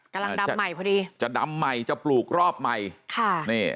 กำลังดำใหม่พอดีจะดำใหม่จะปลูกรอบใหม่ค่ะนี่